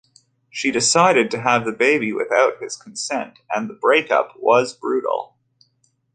She decided to have the baby without his consent, and the breakup was brutal.